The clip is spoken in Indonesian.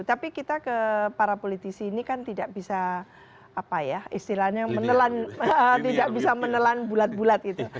tapi kita ke para politisi ini kan tidak bisa apa ya istilahnya menelan tidak bisa menelan bulat bulat gitu